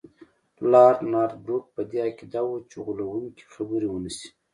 لارډ نارت بروک په دې عقیده وو چې غولونکي خبرې ونه شي.